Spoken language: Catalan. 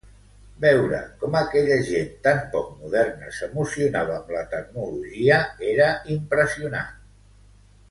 Veure com aquella gent tan poc moderna s'emocionava amb la tecnologia era impressionant.